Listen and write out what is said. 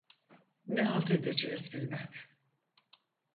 Ne halt edeceğiz bilmem…